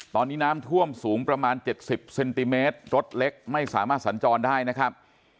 ตอนนี้น้ำท่วมสูงประมาณ๗๐เซนติเมตรรถเล็กไม่สามารถสัญจรได้นะครับ